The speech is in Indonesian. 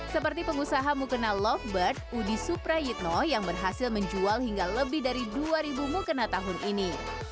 seperti pengusaha mukena lovebird udi suprayitno yang berhasil menjual hingga lebih dari dua ribu mukena tahun ini